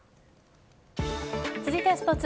続いてはスポーツ。